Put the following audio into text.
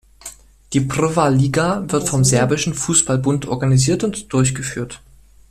Die Prva liga wird vom serbischen Fußball-Bund organisiert und durchgeführt.